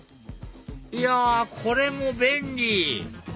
いやこれも便利！